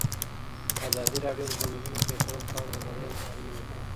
ازادي راډیو د د ځنګلونو پرېکول په اړه د بریاوو مثالونه ورکړي.